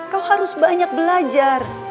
kau harus banyak belajar